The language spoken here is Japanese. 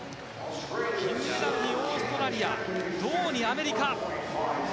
銀メダルにオーストラリア銅にアメリカ。